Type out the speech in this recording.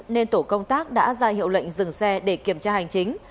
nên tổ công tác đã ra hiệu lệnh dừng xe để kiểm tra hành chính